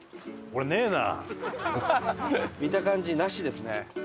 見た感じなしですね。